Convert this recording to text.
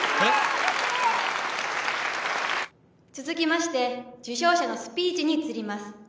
続きまして受賞者のスピーチに移ります。